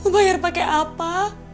bayar pakai apa